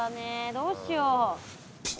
どうしよう。